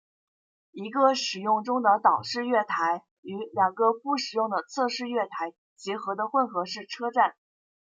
一个使用中的岛式月台与两个不使用的侧式月台结合的混合式车站。